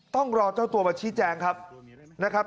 ต้องรอเจ้าตัวบัชชิแจงครับ